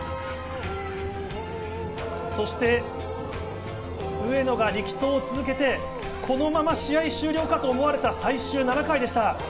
そして上野が力投を続けて、このまま試合終了かと思われた最終７回でした。